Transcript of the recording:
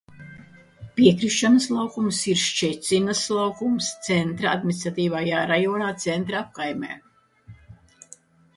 Piekrišanas laukums ir Ščecinas laukums Centra administratīvajā rajonā, Centra apkaimē.